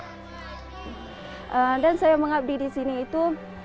dan saya mengabdi di sini itu